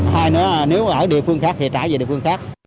hai nữa nếu ở địa phương khác thì trả về địa phương khác